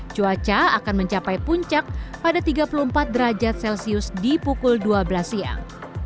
cuaca akan mencapai puncak pada tiga puluh empat derajat celcius di pukul dua belas siang